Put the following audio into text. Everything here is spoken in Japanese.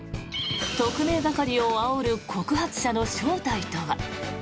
特命係をあおる告発者の正体とは？